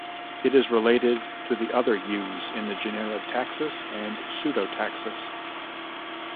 It is related to the other yews in the genera "Taxus" and "Pseudotaxus".